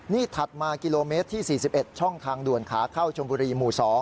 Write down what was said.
นี่ถัดมากิโลเมตรที่๔๑ช่องทางด่วนขาเข้าชมบุรีหมู่๒